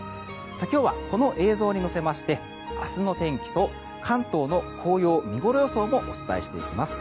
今日はこの映像に乗せまして明日の天気と関東の紅葉見頃予想もお伝えしていきます。